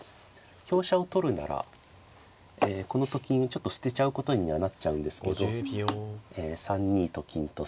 香車を取るならこのと金を捨てちゃうことにはなっちゃうんですけど３二と金と捨てて。